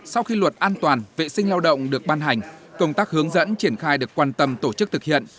sau khi luật an toàn vệ sinh lao động được ban hành công tác hướng dẫn triển khai được quan tâm tổ chức thực hiện